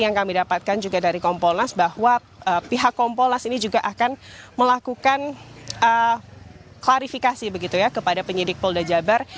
yang kami dapatkan juga dari kompolnas bahwa pihak kompolnas ini juga akan melakukan klarifikasi begitu ya kepada penyidik polda jabar